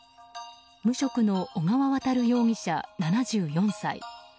無職の小川渉容疑者、７４歳。